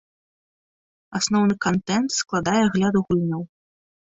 Асноўны кантэнт складае агляд гульняў.